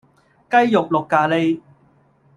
雞肉綠咖哩